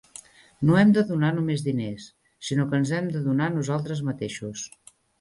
No hem de donar només diners, sinó que ens hem donar nosaltres mateixos.